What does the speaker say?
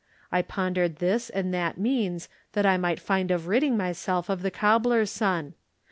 I pondered this and that means that I might find of ridding myself of the cobbler's son.